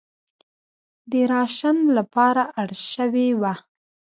د راشن لپاره اړ شوې وه.